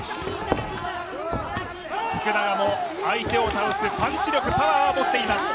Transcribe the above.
福永も相手を倒すパンチ力、パワーは持っています。